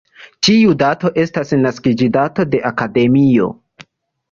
Tiu dato estas naskiĝdato de la akademio.